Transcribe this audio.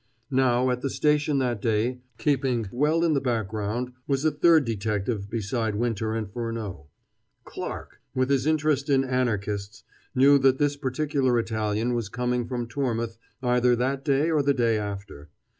Now, at the station that day, keeping well in the background, was a third detective beside Winter and Furneaux. Clarke, with his interest in Anarchists, knew that this particular Italian was coming from Tormouth either that day or the day after.